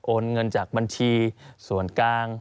เงินจากบัญชีส่วนกลาง